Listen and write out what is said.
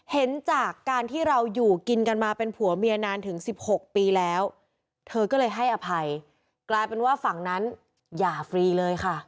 เห็นจากการที่เราอยู่กินกันมาเป็นผัวเมียนานถึง๑๖ปีแล้วเธอก็เลยให้อภัยกลายเป็นว่าฝั่งนั้นหย่าฟรีเลยค่ะ